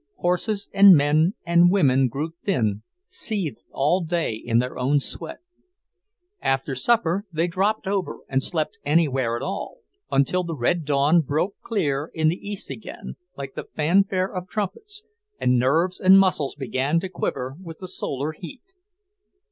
Horses and men and women grew thin, seethed all day in their own sweat. After supper they dropped over and slept anywhere at all, until the red dawn broke clear in the east again, like the fanfare of trumpets, and nerves and muscles began to quiver with the solar heat.